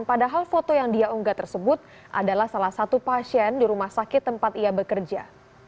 padahal foto yang dia unggah tersebut adalah salah satu pasien di rumah sakit tempat ia bekerja